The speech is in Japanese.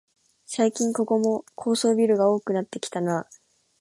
最近ここも高層ビルが多くなってきたなあ